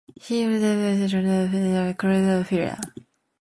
His intuitive batting style owed much to the archetypical West Indian calypso flair.